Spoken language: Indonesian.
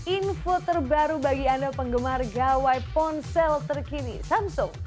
info terbaru bagi anda penggemar gawai ponsel terkini samsung